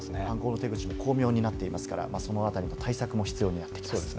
手口も巧妙になっていますから、その辺りの対策も必要になってきます。